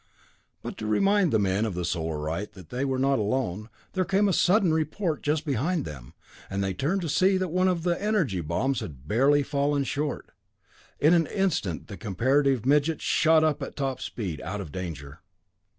But to remind the men of the Solarite that they were not alone, there came a sudden report just behind them, and they turned to see that one of the energy bombs had barely fallen short! In an instant the comparative midget shot up at top speed, out of danger.